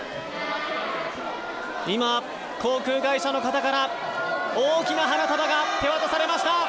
今、航空会社の方から大きな花束が手渡されました！